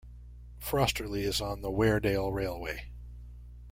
Frosterley is on the Weardale Railway.